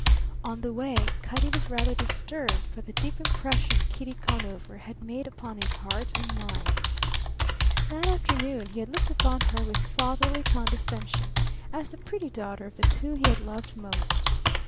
On the way Cutty was rather disturbed by the deep impression Kitty Conover had made upon his heart and mind. That afternoon he had looked upon her with fatherly condescension, as the pretty daughter of the two he had loved most.